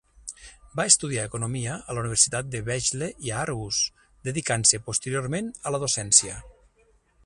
Va estudiar economia a la Universitat de Vejle i Aarhus, dedicant-se posteriorment a la docència.